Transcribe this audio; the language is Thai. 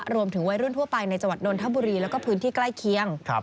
รวมถึงวัยรุ่นทั่วไปในจังหวัดนนทบุรีแล้วก็พื้นที่ใกล้เคียง